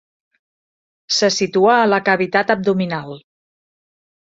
Se situa a la cavitat abdominal.